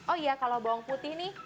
oh iya kalau bawang putih nih